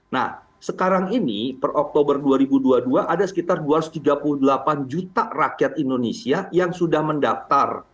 nah sekarang ini per oktober dua ribu dua puluh dua ada sekitar dua ratus tiga puluh delapan juta rakyat indonesia yang sudah mendaftar